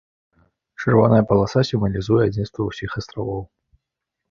Чырвоная паласа сімвалізуе адзінства ўсіх астравоў.